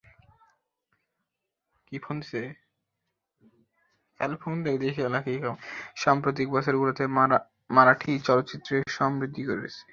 সাম্প্রতিক বছরগুলিতে মারাঠি চলচ্চিত্রের সমৃদ্ধি ঘটেছে।